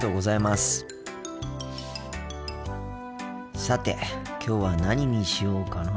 さてきょうは何にしようかなあ。